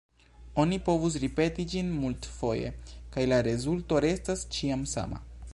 Oni povus ripeti ĝin multfoje, kaj la rezulto restas ĉiam sama.